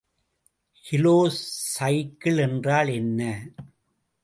Kilocycle என்றால் என்ன?